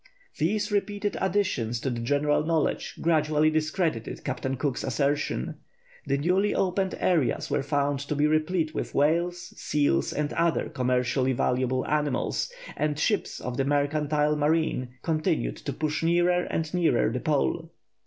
These repeated additions to the general knowledge gradually discredited Captain Cook's assertion. The newly opened areas were found to be replete with whales, seals, and other commercially valuable animals, and ships of the mercantile marine continued to push nearer and nearer the Pole.